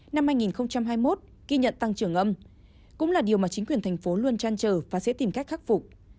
năm hai nghìn hai mươi một ghi nhận tăng trưởng âm cũng là điều mà chính quyền thành phố luôn chăn trở và sẽ tìm cách khắc phục